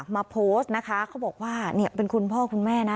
โพสต์นะคะเขาบอกว่าเนี่ยเป็นคุณพ่อคุณแม่นะ